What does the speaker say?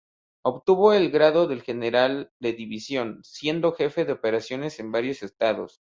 Obtuvo el grado de general de división, siendo jefe de operaciones en varios estados.